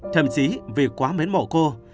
thậm chí vì quá mến mộ cô